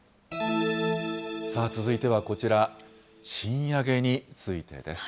さあ、続いてはこちら、賃上げについてです。